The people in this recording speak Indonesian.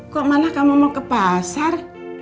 kok mana kamu mau ke pasar